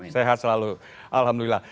sehat selalu alhamdulillah